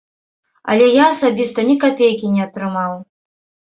Але я асабіста ні капейкі не атрымаў.